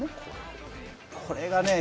これがね